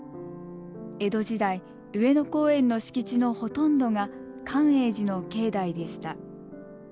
江戸時代上野公園の敷地のほとんどが寛永寺の境内でした。